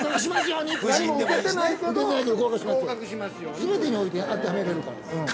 ◆全てにおいてあてはめれるから。